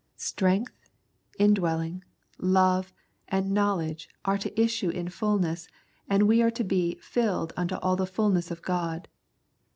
Strength, indwelling, love, and knowledge are to issue in fulness, and we are to be " filled unto all the fulness of God."